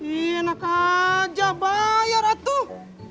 enak aja bayar atuh